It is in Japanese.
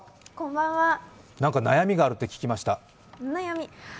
なんか悩みがあるって聞きました。